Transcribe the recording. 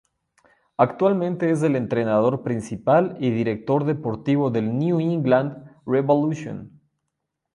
Actualmente es el entrenador principal y director deportivo del New England Revolution.